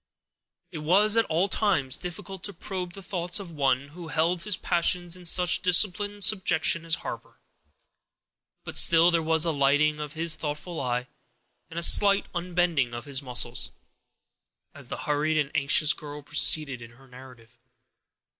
It was at all times difficult to probe the thoughts of one who held his passions in such disciplined subjection as Harper, but still there was a lighting of his thoughtful eye, and a slight unbending of his muscles, as the hurried and anxious girl proceeded in her narrative.